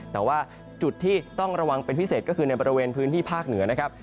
แต่ว่าจุดที่ต้องระวังเป็นพิเศษก็คือในบริเวณพื้นที่ภาคเหนือนะครับ